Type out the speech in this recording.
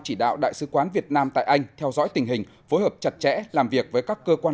chỉ đạo đại sứ quán việt nam tại anh theo dõi tình hình phối hợp chặt chẽ làm việc với các cơ quan